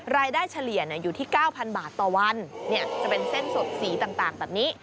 รายได้เฉลี่ยเนี้ยอยู่ที่เก้าพันบาทต่อวันเนี้ยจะเป็นเส้นสดสีต่างต่างแบบนี้